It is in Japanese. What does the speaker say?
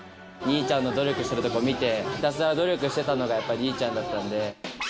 兄ちゃんの努力してるとこ見て、ひたすら努力してたのがやっぱり兄ちゃんだったんで。